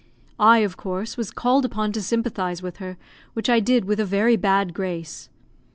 I, of course, was called upon to sympathise with her, which I did with a very bad grace.